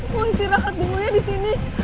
gue istirahat dulunya disini